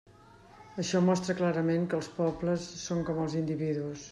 Això mostra clarament que els pobles són com els individus.